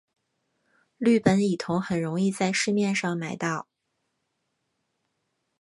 氯苯乙酮很容易在市面上买到。